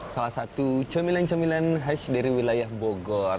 salah satu comelan comelan hash dari wilayah bogor